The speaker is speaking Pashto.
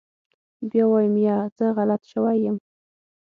بيا وايم يه زه غلط سوى يم.